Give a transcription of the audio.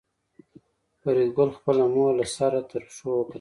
فریدګل خپله مور له سر تر پښو وکتله